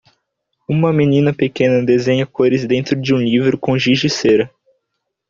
Uma menina pequena desenha cores dentro de um livro com giz de cera